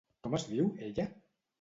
Com es diu, ella?